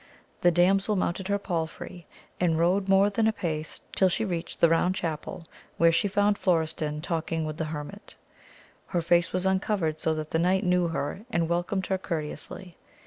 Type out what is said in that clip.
The damsel mounted her pid&ey, and rode more than apace till she reached the Eound Chapel, where she found Florestan talking with the hermit. Her face was uncovered, so that the knight knew her, and welcomed her courteously.